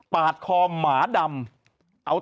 ปาดคอหมาดำ